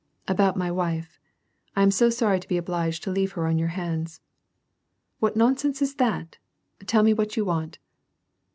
" About my wife — 1 am so sorry to be obliged to leave her on your hands." "^\Tiat nonsense is that ? Tell me what you want."